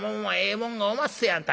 もんがおまっせやった。